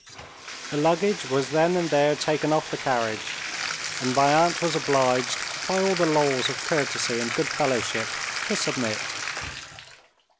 The luggage was then and there taken off the carriage; and my aunt was obliged, by all the laws of courtesy and good fellowship, to submit.